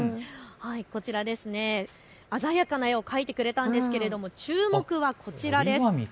こちら鮮やかな絵を描いてくれたんですが注目はこちらです。